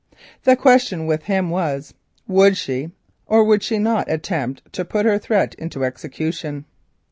The question with him was, would she or would she not attempt to put her threat into execution?